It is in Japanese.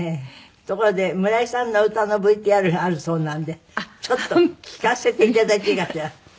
ところで村井さんの歌のＶＴＲがあるそうなんでちょっと聴かせていただいていいかしら？